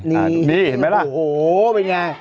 เป็นว่ายังไง